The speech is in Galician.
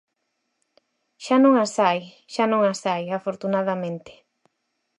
Xa non as hai, xa non as hai, afortunadamente.